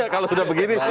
kalau sudah begini